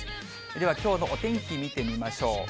では、きょうのお天気見てみましょう。